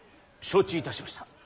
承知いたしました。